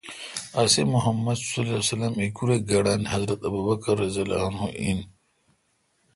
اسے°محمدؐہیکوراے° گڑن حضرت ابوبکؓر این